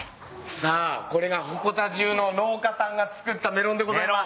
さあこれが鉾田中の農家さんが作ったメロンでございます。